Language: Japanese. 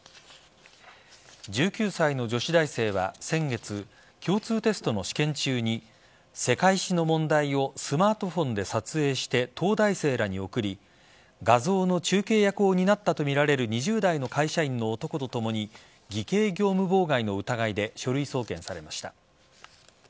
１９歳の女子大生は先月共通テストの試験中に世界史の問題をスマートフォンで撮影して東大生らに送り画像の中継役を担ったとみられる２０代の会社員の男とともに偽計業務妨害の疑いで書類送検されました。